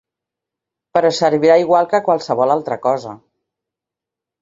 Però servirà igual que qualsevol altra cosa.